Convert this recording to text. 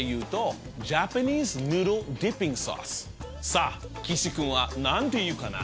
さぁ岸君は何て言うかな？